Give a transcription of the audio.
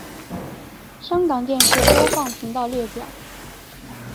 香港电视播放频道列表